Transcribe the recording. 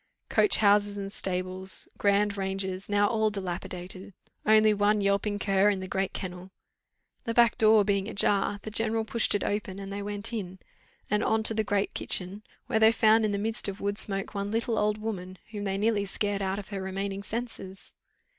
Coach houses and stables, grand ranges, now all dilapidated. Only one yelping cur in the great kennel. The back door being ajar, the general pushed it open, and they went in, and on to the great kitchen, where they found in the midst of wood smoke one little old woman, whom they nearly scared out of her remaining senses.